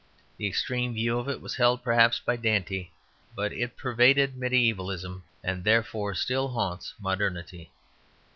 The extreme view of it was held, perhaps, by Dante; but it pervaded mediævalism, and therefore still haunts modernity.